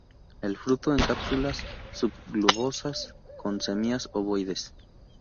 El fruto en cápsulas subglobosas con semillas obovoides.